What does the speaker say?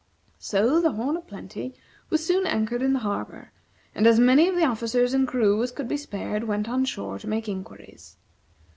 So the "Horn o' Plenty" was soon anchored in the harbor, and as many of the officers and crew as could be spared went on shore to make inquiries.